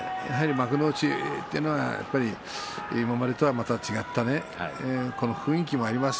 やはり幕内というのはこれまでとは違った雰囲気もあります